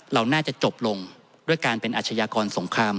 เราน่าจะจบลงด้วยการเป็นอาชญากรสงคราม